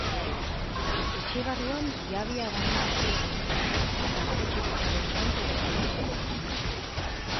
Etxe barruan jabea baino ez zegoen, eta bere txakurraren zaunkek esnatu dute.